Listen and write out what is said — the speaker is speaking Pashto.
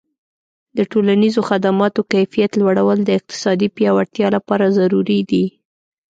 د ټولنیزو خدماتو کیفیت لوړول د اقتصادي پیاوړتیا لپاره ضروري دي.